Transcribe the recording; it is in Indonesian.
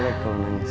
ina like kalau nangis